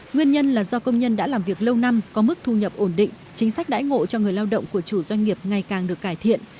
nguyên nhân là do công nhân đã làm việc lâu năm có mức thu nhập ổn định chính sách đãi ngộ cho người lao động của chủ doanh nghiệp ngày càng được cải thiện